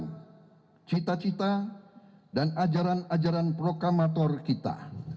dengan cita cita dan ajaran ajaran prokamator kita